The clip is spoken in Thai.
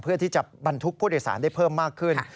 เพื่อที่จะบรรทุกผู้โดยสารได้เพิ่มมากขึ้น